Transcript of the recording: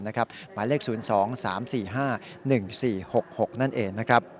หมายเลข๐๒๓๔๕๑๔๖๖นั่นเอง